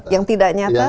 yang tidak nyata